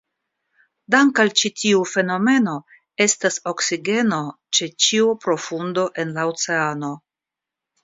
Dank' al ĉi tiu fenomeno estas oksigeno ĉe ĉiu profundo en la oceano.